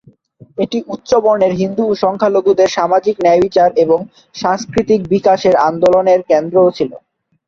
এটি উচ্চ-বর্ণের হিন্দু ও সংখ্যালঘুদের সামাজিক ন্যায়বিচার এবং সাংস্কৃতিক বিকাশের আন্দোলনের কেন্দ্রও ছিল।